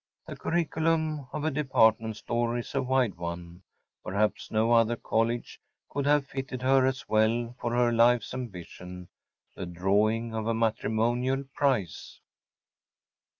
The curriculum of a department store is a wide one. Perhaps no other college could have fitted her as well for her life’s ambition‚ÄĒthe drawing of a matrimonial prize.